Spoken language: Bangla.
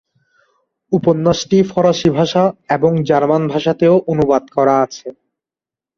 উপন্যাসটি ফরাসী ভাষা এবং জার্মান ভাষাতেও অনুবাদ করা আছে।